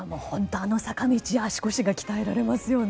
あの坂道足腰鍛えられますね。